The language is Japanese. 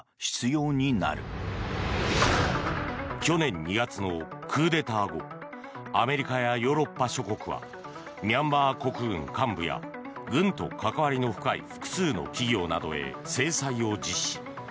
去年２月のクーデター後アメリカやヨーロッパ諸国はミャンマー国軍幹部や軍と関わりの深い複数の企業などへ制裁を実施。